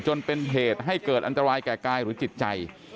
จนเป็นเหตุให้เกิดอันตรายแก่กายหรือจิตใจ